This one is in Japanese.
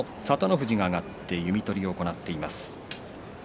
富士が上がって弓取りを行っています。